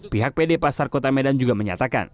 pihak pd pasar kota medan juga menyatakan